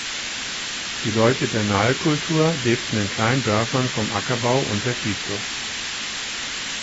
Die Leute der Nal-Kultur lebten in kleinen Dörfern vom Ackerbau und der Viehzucht.